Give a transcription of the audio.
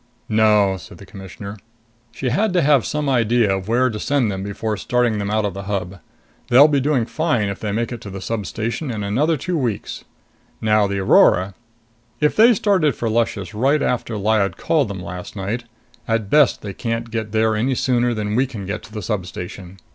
"No," said the Commissioner. "She had to have some idea of where to send them before starting them out of the Hub. They'll be doing fine if they make it to the substation in another two weeks. Now the Aurora if they started for Luscious right after Lyad called them last night, at best they can't get there any sooner than we can get to the substation.